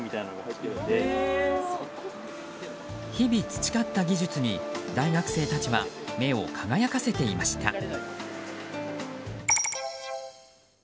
日々培った技術に大学生たちは目を輝かせていました。